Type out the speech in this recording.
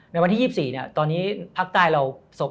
วันที่๒๔ตอนนี้ภาคใต้เราสบ